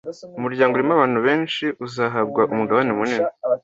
umuryango urimo abantu benshi uzahabwa umugabane munini,